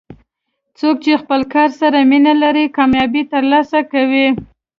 څوک چې خپل کار سره مینه لري، کامیابي ترلاسه کوي.